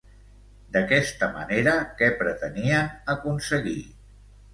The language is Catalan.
D'aquesta manera, què pretenien aconseguir?